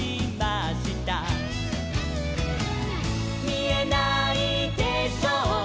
「みえないでしょう